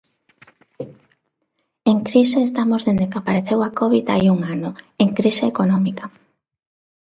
En crise estamos dende que apareceu a covid hai un ano, en crise económica.